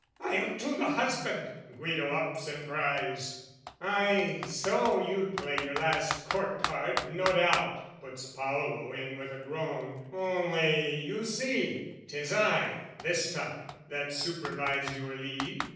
"I'll to the husband!" Guido ups and cries. "Ay, so you'd play your last court card, no doubt!" Puts Paolo in with a groan "Only, you see, "'Tis I, this time, that supervise your lead.